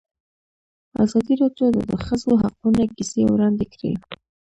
ازادي راډیو د د ښځو حقونه کیسې وړاندې کړي.